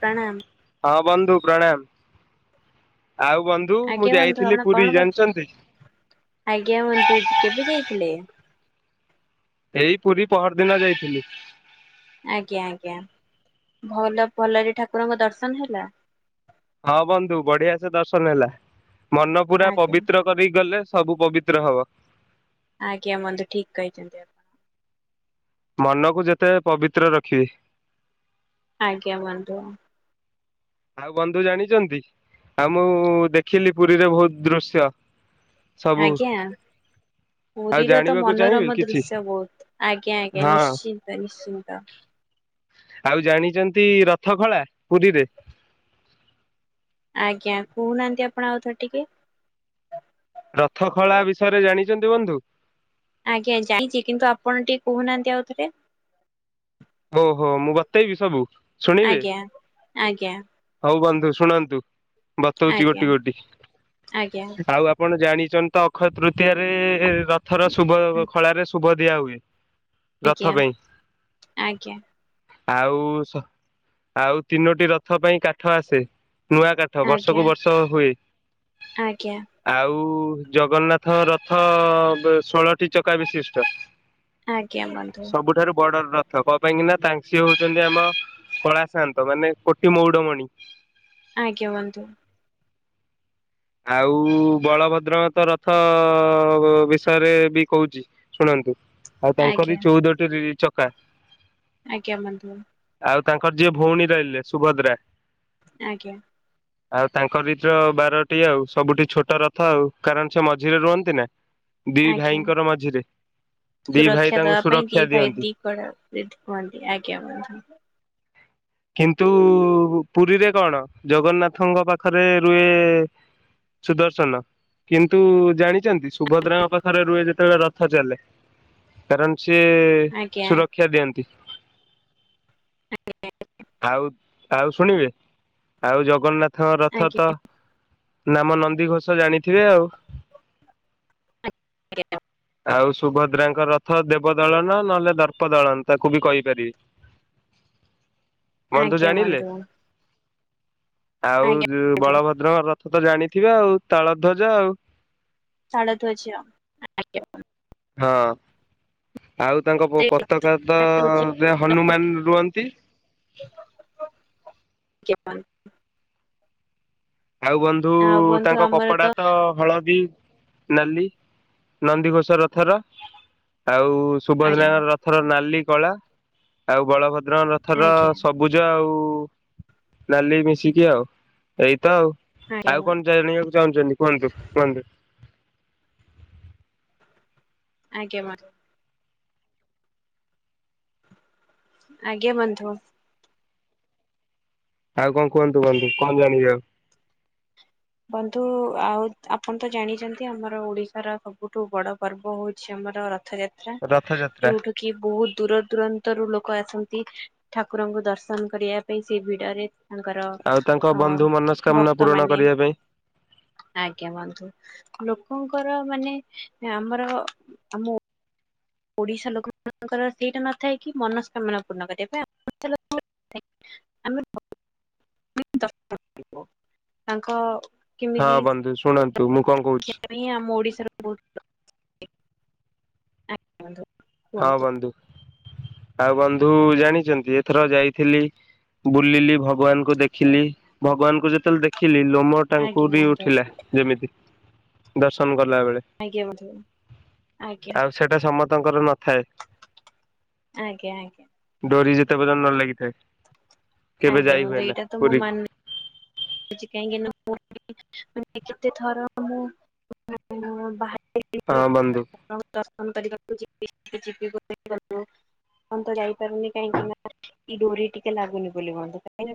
ପ୍ରଣାମ। ହଁ ବନ୍ଧୁ ପ୍ରଣାମ। ଆଉ ବନ୍ଧୁ ମୁଁ ଆଜ୍ଞା ବନ୍ଧୁ ଯାଇଥିଲି ଆପଣ କଣ ପୁରୀ କରୁଛନ୍ତି? ଜାଣିଚନ୍ତି? ଆଜ୍ଞା ବନ୍ଧୁ, କେବେ ଯାଇଥିଲେ? ଏଇ ପୁରୀ ପହରି ଦିନ ଯାଇଥିଲି। ଆଜ୍ଞା ଆଜ୍ଞା, ଭଲ, ଭଲରେ ଠାକୁରଙ୍କ ଦର୍ଶନ ହେଲା? ହଁ, ବନ୍ଧୁ ବଢିଆ ସେ ଦର୍ଶନ ହେଲା, ମନ ପୁରା ଆଜ୍ଞା ପବିତ୍ର କରିକି ଗଲେ, ସବୁ ପବିତ୍ର ହବ। ଆଜ୍ଞା ବନ୍ଧୁ ଠିକ୍ କହିଛନ୍ତି, ଆପ୍ ମନକୁ ଯେତେ ପବିତ୍ର ରଖିବେ ଆଜ୍ଞା ବନ୍ଧୁ। ଆଉ ବନ୍ଧୁ ଜାଣିଚନ୍ତି, ଆଉ ମୁଁ ଦେଖିଲି ପୁରୀରେ ବହୁତ ଦୃଶ୍ୟ। ସବୁ ଆଜ୍ଞା। ଆଉ ପୁରୀରେ ତ ଜାଣିବାକୁ ଚାହିଁବେ ମନୋରମ କିଛି ଦୃଶ୍ୟ ବହୁତ, ଆଜ୍ଞା ଆଜ୍ଞା, ହଁ। ନିଶ୍ଚିନ୍ତ ନିଶ୍ଚିନ୍ତ। ଆଉ ଜାଣିଚନ୍ତି ରଥଖଳା, ପୁରୀରେ? ଆଜ୍ଞା, କହୁନାହାନ୍ତି ଆପଣ ଆଉ ଥରେ ଟିକେ? ରଥ ଖଳା ବିଷୟରେ ଜାଣିଚନ୍ତି ବନ୍ଧୁ? ଆଜ୍ଞା, ଜାଣିଚି କିନ୍ତୁ ଆପଣ ଟିକେ କହୁନାହାନ୍ତି ଆଉ ଥରେ? ଓହୋ, ମୁଁ ବତେଇବି ସବୁ, ଶୁଣିବେ? ଆଜ୍ଞା ଆଜ୍ଞା ହଉ ବନ୍ଧୁ ଶୁଣନ୍ତୁ, ବତଉଚି ଆଜ୍ଞା ଗୋଟି ଗୋଟି, ଆଜ୍ଞା ଆଉ ଆପ୍ ଆପଣ ଜାଣିଚନ୍ତି ତ, ଅକ୍ଷୟ ତୃତୀୟରେ, ରଥର ଶୁଭ ଖଳାରେ, ଶୁଭ ଦିଆ ହୁଏ। ରଥ ଆଜ୍ଞା, ପାଇଁ ଆଜ୍ଞା। ଆଉ, ସ ଆଉ ତିନୋଟି ରଥ ପାଇଁ କାଠ ଆସେ ନୂଆ କା ଠ ଆଜ୍ଞା ବର୍ଷକୁୁ ବର୍ଷ ହୁଏ। ଆଜ୍ଞା। ଆଉ ଜଗନ୍ନାଥ ରଥ ଷୋଳଟି ଚକା ବିଶିଷ୍ଟ। ଆଜ୍ଞା ବନ୍ଧୁ ସବୁଠାରୁ ବଡର ର ତ କ ପାଇଁକି ନା ତାଙ୍କ୍ ସେ ହଉଚନ୍ତି ଆମ କଳା ସାଆନ୍ତ, ମାନେ କୋଟି ମଉଡମଣି। ଆଜ୍ଞା ବନ୍ଧୁ। ଆଉ ବଳଭଦ୍ରଙ୍କର ତ ରଥ ବିଷୟରେ ବି କହୁଚି ଶୁଣନ୍ତୁ, ଆଉ ଆଜ୍ଞା ତାଙ୍କରି ଚଉଦଟି ରି ଚକା। ଆଜ୍ଞା ବନ୍ଧୁ ଆଉ ତାଙ୍କର ଯିଏ ଭଉଣୀ ରହିଲେ, ସୁଭଦ୍ରା ଆଜ୍ଞା। ଆଉ ତାଙ୍କରିତ ବାର ଟି ଆଉ, ସବୁଠି ଛୋଟ ରଥ ଆଉ, କାରଣ ସେ ମଝିରେ ରୁହନ୍ତି ନା? ଦିଇ ଆଜ୍ଞା। ଭାଇଙ୍କର ମଝିରେ, ଦି ଭାଇ ସୁରକ୍ଷା ତାଙ୍କୁ ଦବା ପାଇଁ ଦି ସୁରକ୍ଷା ଦିଅନ୍ତି। [unintelligible] ଆଜ୍ଞା ବନ୍ଧୁ। କିନ୍ତୁ ପୁରୀରେ କଣ, ଜଗନ୍ନାଥଙ୍କ ପାଖରେ ରୁହେ ସୁଦର୍ଶନ। କିନ୍ତୁ ଜାଣିଛନ୍ତି ସୁଭଦ୍ରାଙ୍କ ପାଖରେ ରୁହେ ଯେତେବେଳେ ରଥ ଚାଲେ। କାରଣ ସିଏ ଆଜ୍ଞା ସୁରକ୍ଷା ଦିଅନ୍ତି। ଆଜ୍ଞା [unintelligible] ଆଉ ଆଉ ଶୁଣିବେ ଆଉ ଜଗନ୍ନାଥଙ୍କ ରଥ ଆଜ୍ଞା। ତ ନାମ ନନ୍ଦି ଘୋଷ ଜାଣିଥିବେ ଆଉ। ଜଞ [unintelligible] ଆଉ ସୁଭଦ୍ରାଙ୍କ ରଥ ଦେବ ଦଳନ ନହେଲେ ଦର୍ପ ଦଳନ ତାକୁ ବି କହିପାରିବି। [inaudible] ଆଜ୍ଞା ଜାଣିଲେ ବନ୍ଧୁ। ଆଉ ଆଜ୍ଞା ଯଉ ବନ୍ଧୁ ବଳଭଦ୍ରଙ୍କ ରଥ ତ ଜାଣିଥିବେ ଆଉ ତାଳ ଧ୍ୱଜ ଆଉ। ତାଳ ଧୋଜ। ହଁ ଆଉ ତାଙ୍କ ପତାକା ତ ଯେ ହନୁମାନ ରୁହନ୍ତି। କପ [unintelligible] ଆଉ ବନ୍ଧୁ ଆଉ ବନ୍ଧୁ ତାଙ୍କ ଆମର କପଡା ତ ହଳଦୀ। ନାଲି ନନ୍ଦିଘୋଷ ରଥର ଆଉ ଆଜ୍ଞା ସୁଭଦ୍ରାଙ୍କ ରଥ ରଥର ନାଲି କଳା ଆଉ ବଳଭଦ୍ର ରଥର ଆଜ୍ଞା ସବୁ ସବୁଜ ଆଉ ନାଲି ମିଶିକି ଆଉ। ତ ଆଉ ଆଜ୍ଞା ଆଉ ବନ୍ଧୁ। କଣ ଜ ଜାଣିବାକୁ ଚାହୁଁଛନ୍ତି କୁହନ୍ତୁ କୁହନ୍ତୁ। ଆଜ୍ଞ। ଆଜ୍ଞା ବନ୍ଧୁ। ଆଉ କଣ କୁହନ୍ତୁ କୁହନ୍ତୁ କଣ ଜାଣିବି ଆଉ। ବନ୍ଧୁ ଆଉ ଆପଣ ତ ଜାଣିଛନ୍ତି ଆମର ଓଡିଶାର ସବୁଠୁ ବଡ ପର୍ବ ହଉ ଅଛି ଆମର ରଥ ଯାତ୍ରା ରଥଯାତ୍ରା ଯୋଉଠା କି ବହୁତ ଦୂର ଦୂରାନ୍ତରୁ ଲୋକ ଆସନ୍ତି। ଠାକୁରଙ୍କୁ ଦର୍ଶନ କରିବା ପାଇଁ ସେଇ ଭିଡରେ। ତାଙ୍କର ଆଉ ତାଙ୍କ ଅ ବନ୍ଧୁ ମନସ୍କାମନା ଭକ୍ତ ପୂରଣ ମାନେ। କରିବା ପାଇଁ ଆଜ୍ଞା ବନ୍ଧୁ ଲୋକଙ୍କର ମାନେ ଆମର ଆମ। ଓଡିଶା ଲୋକମାନାନଙ୍କର ସେଇଟା ନଥାଏ କି ମନସ୍କାମନା ପୂର୍ଣ୍ଣ କରିବା [inaudible] ଆମେ [unintelligible] [inaudible] ତାଙ୍କ ହଁ ବନ୍ଧୁ ଶୁଣନ୍ତୁ ମୁଁ କଣ କହୁଛି। ଆଜ୍ଞା ଆମ ଓଡିଶାର ବହୁତ [inaudible] ଆଜାୁ ହଁ ବନ୍ଧୁ, ଆଉ ବନ୍ଧୁ ଜାଣିଛନ୍ତି ଏଥର ଯାଇଥିଲି। ବୁଲିଲି ଭଗବାନଙ୍କୁ ଦେଖିଲି ଭଗବାନଙ୍କୁ ଯେତେବେଳେ ଦେଖିଲି ଲୋମ ଆଜ୍ଞା ତାଙ୍କୁରି ବନ୍ଧୁ ଉଠିଲା ଯେମିତି ଦର୍ଶନ କଲା ବେଳେ। ଆଜ୍ଞା ବନ୍ଧୁ ଆଜ୍ଞା। ଆଉ ସେଟା ସମସ୍ତଙ୍କର ନ ଆଜ୍ଞା, ଆଜ୍ଞା। ଡୋରି ଯେତେ ପର୍ଯ୍ୟନ୍ତ ନ ଲାଗିଥାଏ କେବେ ଆଜ୍ଞା ଯାଇ ବନ୍ଧୁ ହୁଏନା ଏଇଟା ତ ମୁଁ ପୁରୀ। ମାନୁଛି କାହିଁକି ନା ମୁ କେତେ ଥର [inaudible] ମୁଁ ହଁ ବନ୍ଧୁ। ଦର୍ଶନ କରିବାିୁ [inaudible] ମୁଁ ତ ଯାଇପାରୁନି କାହିଁକି ନା ଡୋରି ଟିକେ ଲାଗୁନି ବୋଲି [inaudible]